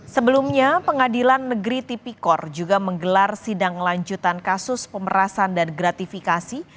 sebelumnya pengadilan negeri tipikor juga menggelar sidang lanjutan kasus pemerasan dan gratifikasi